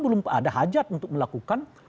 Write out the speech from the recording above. belum ada hajat untuk melakukan